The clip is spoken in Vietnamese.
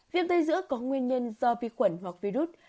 viêm tay giữa có nguyên nhân do vi khuẩn hoặc virus